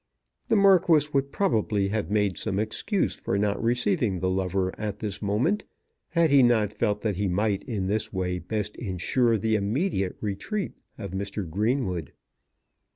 The Marquis would probably have made some excuse for not receiving the lover at this moment, had he not felt that he might in this way best insure the immediate retreat of Mr. Greenwood.